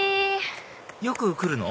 よく来るの？